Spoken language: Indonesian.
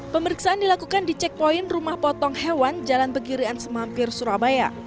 pemeriksaan dilakukan di checkpoint rumah potong hewan jalan pegirian semampir surabaya